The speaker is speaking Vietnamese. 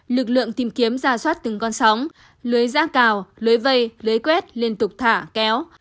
lực lượng tìm kiếm ra soát từng con sóng lưới giã cào lưới vây lưới quét liên tục thả kéo